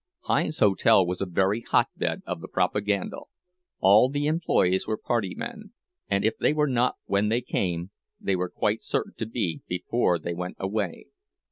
Hinds's hotel was a very hot bed of the propaganda; all the employees were party men, and if they were not when they came, they were quite certain to be before they went away.